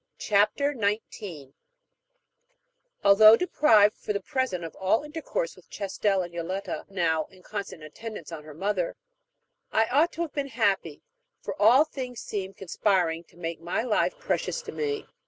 Chapter 19 Although deprived for the present of all intercourse with Chastel and Yoletta, now in constant attendance on her mother, I ought to have been happy, for all things seemed conspiring to make my life precious to me.